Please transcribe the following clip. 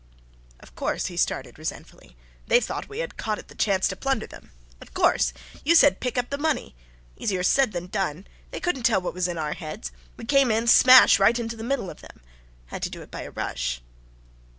"Of course," he started resentfully, "they thought we had caught at the chance to plunder them. Of course! You said pick up the money. Easier said than done. They couldn't tell what was in our heads. We came in, smash right into the middle of them. Had to do it by a rush."